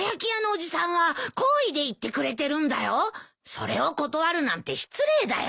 それを断るなんて失礼だよ。